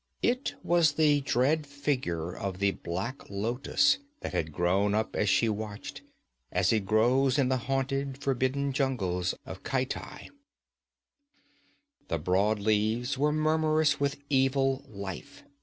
It was the dread figure of the black lotus that had grown up as she watched, as it grows in the haunted, forbidden jungles of Khitai. The broad leaves were murmurous with evil life.